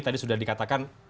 tadi sudah dikatakan